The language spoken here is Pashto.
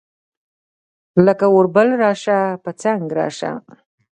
لکه اوربل راسه ، پۀ څنګ راسه